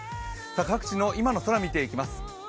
各地の今の空、見ていきます。